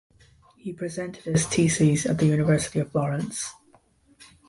He presented his thesis at the University of Florence.